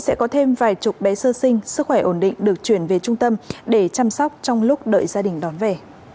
sẽ có thêm vài chục bé sơ sinh sức khỏe ổn định được chuyển về trung tâm để chăm sóc trong lúc đợi gia đình đón về